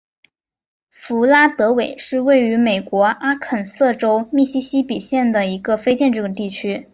弗拉德韦是位于美国阿肯色州密西西比县的一个非建制地区。